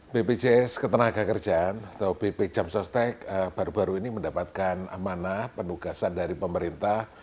bpjs ketenaga kerjaan atau bp jam sostek baru baru ini mendapatkan amanah penugasan dari pemerintah